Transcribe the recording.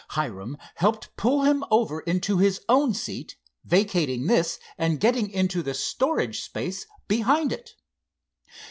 Hiram helped pull him over into his own seat, vacating this and getting into the storage space behind it.